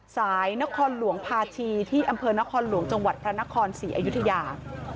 นครหลวงภาชีที่อำเภอนครหลวงจังหวัดพระนครศรีอยุธยา